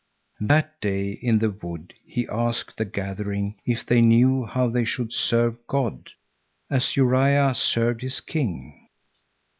That day in the wood he asked the gathering if they knew how they should serve God?—as Uria served his king.